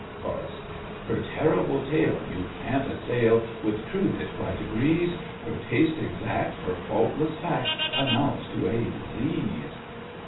CHORUS. Her terrible tale You can't assail, With truth it quite agrees: Her taste exact For faultless fact Amounts to a disease.